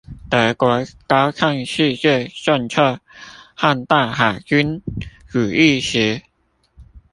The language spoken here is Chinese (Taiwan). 德國高唱世界政策和大海軍主義時